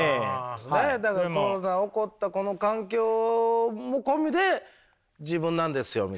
何やったらコロナ起こったこの環境も込みで自分なんですよみたいな。